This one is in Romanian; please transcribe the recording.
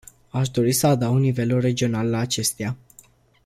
Aș dori să adaug nivelul regional la acestea.